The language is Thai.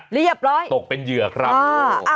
เรียบร้อยตกเป็นเหยื่อครับโอ้โหโอ้โห